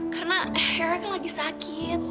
karena erah kan lagi sakit